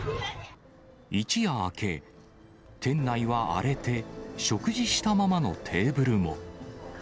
一夜明け、店内は荒れて、食事したままのテーブルも。